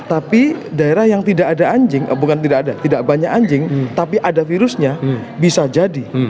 tapi daerah yang tidak ada anjing bukan tidak ada tidak banyak anjing tapi ada virusnya bisa jadi